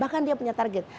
bahkan dia punya target